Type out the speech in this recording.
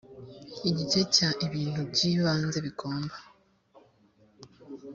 igice cya ii ibintu by ibanze bigomba